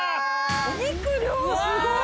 お肉量すごい。